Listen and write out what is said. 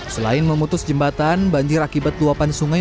selain memutus jembatan banjir akibat luapan sungai